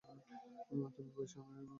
তূমি যেখানেই যাও, আমিও সেখানে যাই।